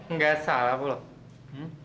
nggak salah bu loh